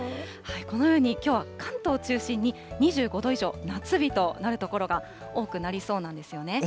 このように、きょうは関東を中心に２５度以上、夏日となる所が多くなりそうなんですよね。